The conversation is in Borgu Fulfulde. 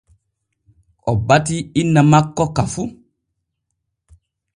O batii inna makko ka fu.